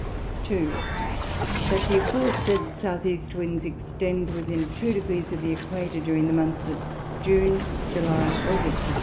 2. That the aforesaid S. E. Winds extend to within two Degrees of the Æquator, during the Months of June, July, August, &c.